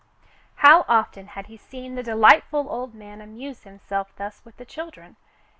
How often had he seen the delightful old man amuse himself thus with the children